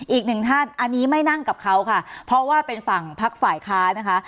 อีกหนึ่งท่านอันนี้ไม่นั่งกับเขาค่ะเพราะว่าเป็นฝั่งพักฝ่ายค้านะคะ